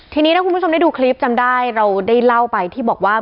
ทีนี้ถ้าคุณผู้ชมได้ดูคลิปจำได้เราได้เล่าไปที่บอกว่า